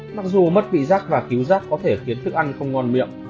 mặc dù mất vị rắc và cứu rắc có thể khiến thức ăn không ngon miệng